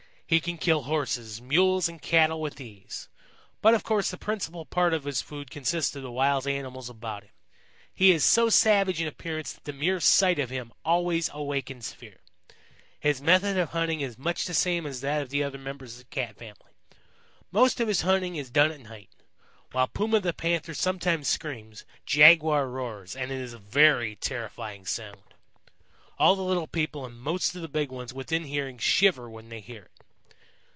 He can kill Horses, Mules and Cattle with ease, but of course the principal part of his food consists of the wild animals about him. He is so savage in appearance that the mere sight of him always awakens fear. His method of hunting is much the same as that of the other members of the Cat family. Most of his hunting is done at night. While Puma the panther sometimes screams, Jaguar roars, and it is a very terrifying sound. All the little people and most of the big ones within hearing shiver when they hear it.